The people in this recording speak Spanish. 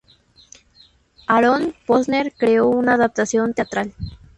Aaron Posner creó una adaptación teatral.